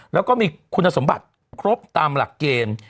แล้วก็มีคุณสมบัติครบตามหลักเกณฑ์